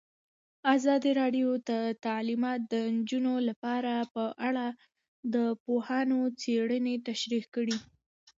ازادي راډیو د تعلیمات د نجونو لپاره په اړه د پوهانو څېړنې تشریح کړې.